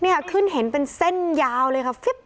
เนี่ยขึ้นเห็นเป็นเส้นยาวเลยค่ะ